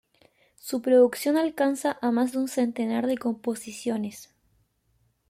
Su producción alcanza a más de un centenar de composiciones.